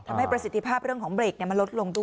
ทำให้ประสิทธิภาพของเบรกมันลดลงด้วย